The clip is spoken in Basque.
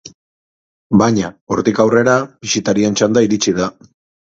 Baina, hortik aurrera, bisitarien txanda iritsi da.